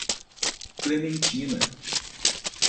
Clementina